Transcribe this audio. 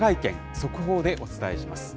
速報でお伝えします。